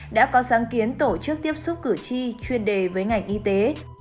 đã có sáng kiến tổ chức tiếp xúc cử tri chuyên đề với ngành y tế